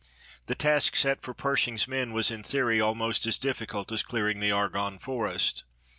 The task set for Pershing's men was in theory almost as difficult as clearing the Argonne Forest.